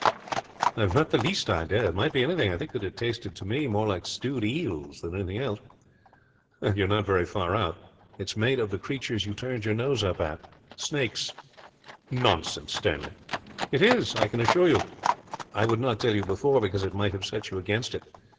"I have not the least idea; it might be anything. I think that it tasted, to me, more like stewed eels than anything else." "You are not very far out. It is made of the creatures you turned up your nose at snakes." "Nonsense, Stanley!" "It is, I can assure you. I would not tell you before, because it might have set you against it.